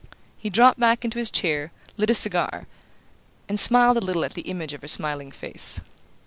He dropped back into his chair, lit a cigar, and smiled a little at the image of her smiling face.